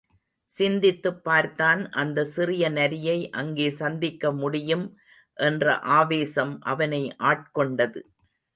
சிந்தித்துப் பார்த்தான் அந்தச் சிறிய நரியை அங்கே சந்திக்கமுடியும் என்ற ஆவேசம் அவனை ஆட்கொண்டது.